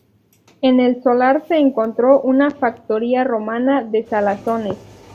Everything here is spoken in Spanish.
En el solar se encontró una factoría romana de salazones.